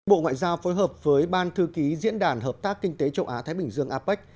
bộ ngoại giao phối hợp với ban thư ký diễn đàn hợp tác kinh tế châu á thái bình dương apec